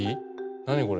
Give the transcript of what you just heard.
何これ？